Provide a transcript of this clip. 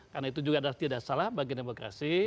karena itu juga tidak salah bagi demokrasi